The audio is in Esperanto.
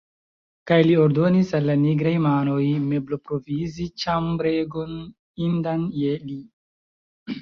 Kaj li ordonis al la nigraj manoj mebloprovizi ĉambregon, indan je li.